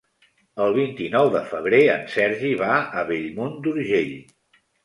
El vint-i-nou de febrer en Sergi va a Bellmunt d'Urgell.